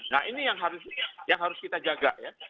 nah ini yang harus kita jaga ya